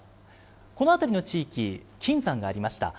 この辺りの地域、金山がありました。